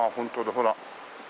ほら。